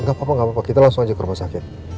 gak apa apa kita langsung aja ke rumah sakit